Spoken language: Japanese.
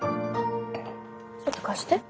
ちょっと貸して。